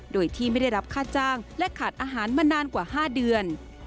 โดยที่ไม่ได้รับค่าจ้างและขาดอาหารมานานกว่า๕เดือน